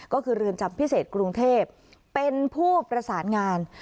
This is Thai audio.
ก็คือเรือนจำพิเศษกรุงเทพเป็นผู้ประสานงาน